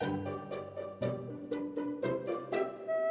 ya kita bisa ke rumah